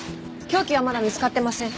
凶器はまだ見つかってません。